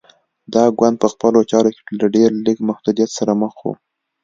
دا ګوند په خپلو چارو کې له ډېر لږ محدودیت سره مخ و.